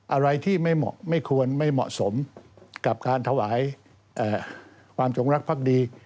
อะไรที่ไม่เหมาะไม่ควรไม่เหมาะสมกับการถวายความจงรักภักดี